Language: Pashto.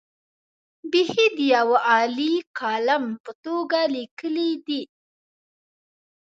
بېخي د یوه عالي کالم په توګه لیکلي دي.